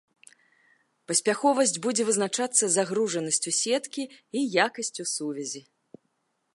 Паспяховасць будзе вызначацца загружанасцю сеткі і якасцю сувязі.